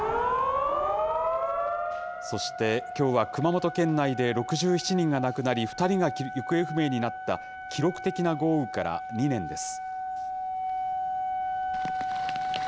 そして、きょうは熊本県内で６７人が亡くなり、２人が行方不明になった記録的な豪雨から２年です。